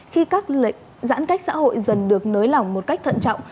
khi các lệnh giãn cách xã hội dần được nới lỏng một cách thận trọng